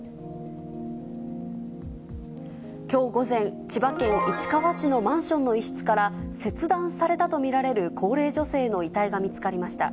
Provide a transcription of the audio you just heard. きょう午前、千葉県市川市のマンションの一室から切断されたと見られる高齢女性の遺体が見つかりました。